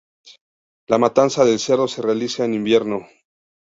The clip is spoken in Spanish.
La matanza del cerdo se realiza en invierno.